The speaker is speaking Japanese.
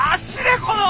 この！